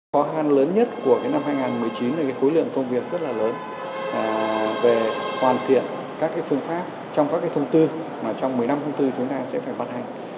khó khăn lớn nhất của năm hai nghìn một mươi chín là khối lượng công việc rất là lớn về hoàn thiện các phương pháp trong các thông tư mà trong một mươi năm thông tư chúng ta sẽ phải vận hành